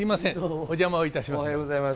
お邪魔をいたします。